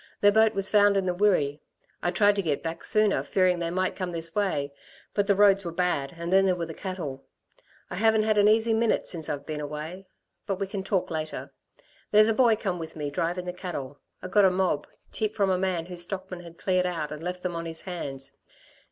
Their boat was found in the Wirree. I tried to get back sooner, fearing they might come this way, but the roads were bad and then there were the cattle. I haven't had an easy minute since I've been away. But we can talk later. There's a boy come with me, drivin' the cattle. I got a mob, cheap, from a man whose stockmen had cleared out and left them on his hands.